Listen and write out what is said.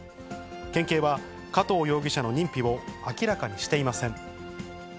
県警は、加藤容疑者の認否を明らかにしていません。